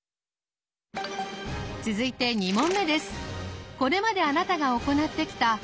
続いて２問目です。